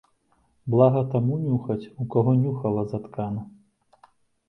Блага таму нюхаць, у каго нюхала заткана.